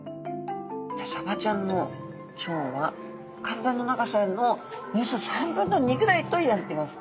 サバちゃんの腸は体の長さのおよそ３分の２ぐらいといわれてます。